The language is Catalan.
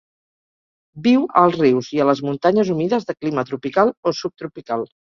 Viu als rius i a les muntanyes humides de clima tropical o subtropical.